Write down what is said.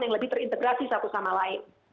yang lebih terintegrasi satu sama lain